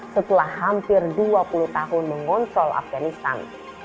setelah hampir dua puluh tahun mengontrol afganistan